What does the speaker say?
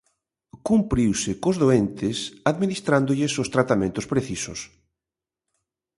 Cumpriuse cos doentes administrándolles os tratamentos precisos.